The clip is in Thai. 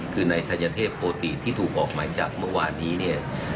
คือนายธัญเทพโกติที่ถูกออกหมายจับเมื่อวานนี้เนี่ย